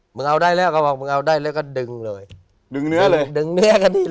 มึงเอาได้แล้วก็บอกมึงเอาได้แล้วก็ดึงเลยดึงเนื้อเลยดึงเนื้อกันที่เลย